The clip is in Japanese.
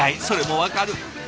それも分かる！